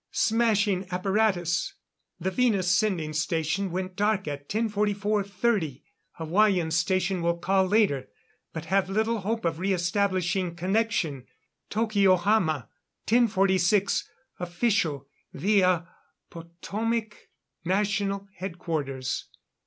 Smashing apparatus!' The Venus sending station went dark at 10.44.30. Hawaiian station will call later, but have little hope of re establishing connection. Tokyohama 10.46 Official, via Potomac National Headquarters.